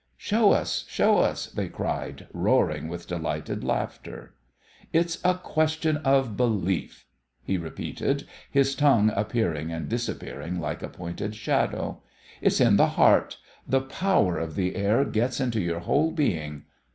"Show us, show us!" they cried, roaring with delighted laughter. "It's a question of belief," he repeated, his tongue appearing and disappearing like a pointed shadow. "It's in the heart; the power of the air gets into your whole being.